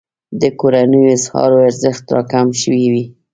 د کورنیو اسعارو ارزښت راکم شوی وي.